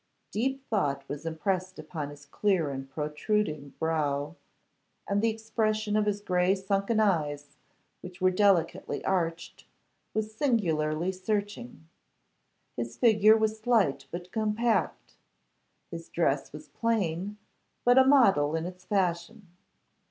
Deep thought was impressed upon his clear and protruding brow, and the expression of his grey sunken eyes, which were delicately arched, was singularly searching. His figure was slight but compact. His dress was plain, but a model in its fashion.